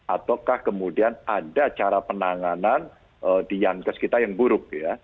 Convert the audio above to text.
ataukah kemudian ada cara penanganan di angka sekitar yang buruk